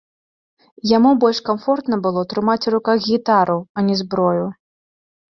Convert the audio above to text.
Яму больш камфортна было трымаць у руках гітару, а не зброю.